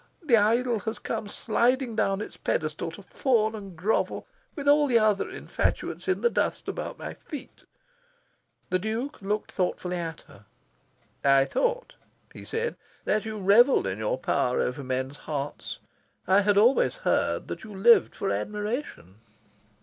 The idol has come sliding down its pedestal to fawn and grovel with all the other infatuates in the dust about my feet." The Duke looked thoughtfully at her. "I thought," he said, "that you revelled in your power over men's hearts. I had always heard that you lived for admiration."